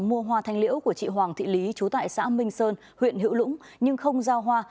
mua hoa thanh liễu của chị hoàng thị lý chú tại xã minh sơn huyện hữu lũng nhưng không giao hoa